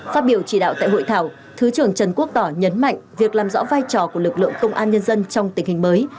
phát biểu chỉ đạo tại hội thảo thứ trưởng trần quốc tỏ nhấn mạnh việc làm rõ vai trò của lực lượng công an nhân dân trong tình hình mới